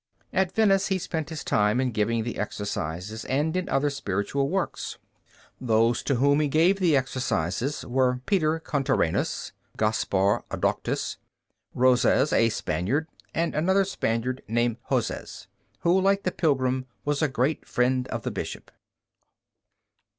At Venice he spent his time in giving the Exercises and in other spiritual works. Those to whom he gave the Exercises were Peter Contarenus, Gaspar a Doctis, Rozes a Spaniard, and another Spaniard named Hozes, who, like the pilgrim, was a great friend of the bishop.